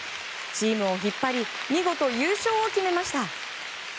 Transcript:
チームを引っ張り見事、優勝を決めました。